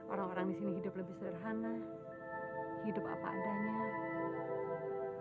orang orang disini hidup lebih sederhana hidup apa adanya